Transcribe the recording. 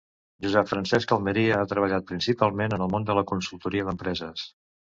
Josep Francesc Almeria ha treballat principalment en el món de la consultoria d'empreses.